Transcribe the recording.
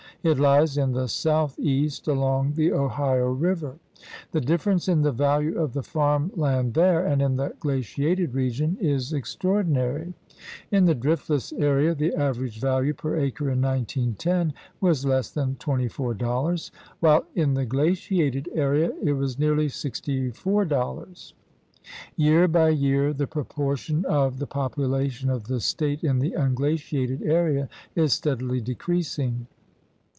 It lies in the southeast along the Ohio River. The differ ence in the value of the farm land there and in the glaciated region is extraordinary. In the driftless area the average value per acre in 1910 was less than $24, while in the glaciated area it was nearly $64. Year by year the proportion of the popula tion of the State in the unglaciated area is steadily decreasing.